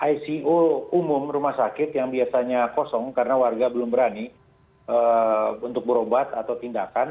icu umum rumah sakit yang biasanya kosong karena warga belum berani untuk berobat atau tindakan